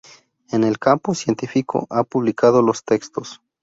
En el campo científico ha publicado los textos